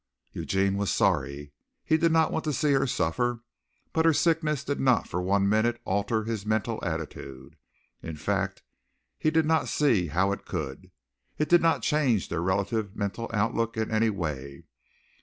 Eugene was sorry. He did not want to see her suffer, but her sickness did not for one minute alter his mental attitude. In fact, he did not see how it could. It did not change their relative mental outlook in any way.